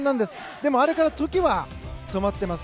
でも、あれから時は止まってます。